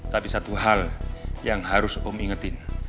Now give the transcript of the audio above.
tapi satu hal yang harus om ingetin